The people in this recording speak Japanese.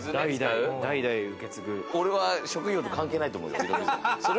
俺は職業とは関係ないと思うよ。